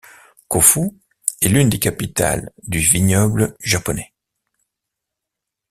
Kōfu est l'une des capitales du vignobles japonais.